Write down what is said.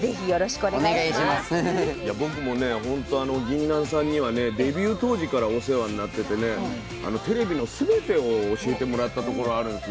ぎんなんさんにはねデビュー当時からお世話になっててねテレビのすべてを教えてもらったところあるんですよ。